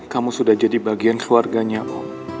kamu sudah jadi bagian keluarganya om